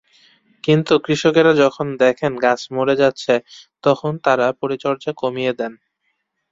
কিন্তু কৃষকেরা যখন দেখেন গাছ মরে যাচ্ছে, তখন তাঁরা পরিচর্যা কমিয়ে দেন।